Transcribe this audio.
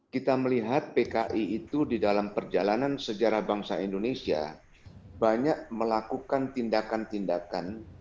kita melihat pki itu di dalam perjalanan sejarah bangsa indonesia banyak melakukan tindakan tindakan